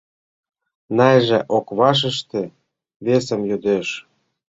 Найжа ок вашеште, весым йодеш: